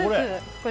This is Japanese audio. これ。